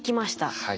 はい。